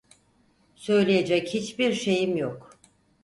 Söyleyecek hiçbir şeyim yok.